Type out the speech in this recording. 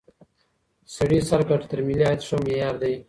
سړي سر ګټه تر ملي عاید ښه معیار دی.